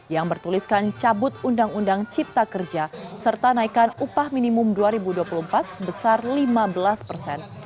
yang bertuliskan cabut undang undang cipta kerja serta naikan upah minimum dua ribu dua puluh empat sebesar lima belas persen